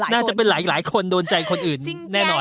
น่าจะเป็นหลายคนโดนใจคนอื่นแน่นอน